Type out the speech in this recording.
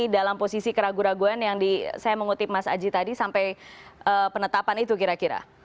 dalam posisi keraguan keraguan yang saya mengutip mas aji tadi sampai penetapan itu kira kira